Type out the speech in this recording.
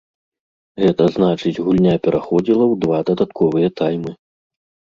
Гэта значыць гульня пераходзіла ў два дадатковыя таймы.